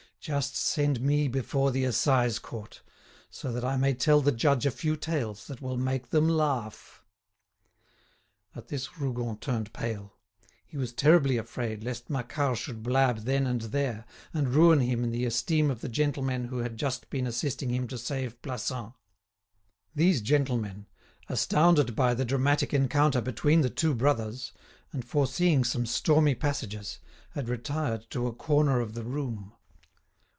"Just send me before the Assize Court, so that I may tell the judge a few tales that will make them laugh." At this Rougon turned pale. He was terribly afraid lest Macquart should blab then and there, and ruin him in the esteem of the gentlemen who had just been assisting him to save Plassans. These gentlemen, astounded by the dramatic encounter between the two brothers, and, foreseeing some stormy passages, had retired to a corner of the room.